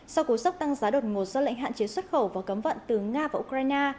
sau cú sốc tăng giá đột ngột do lệnh hạn chế xuất khẩu và cấm vận từ nga và ukraine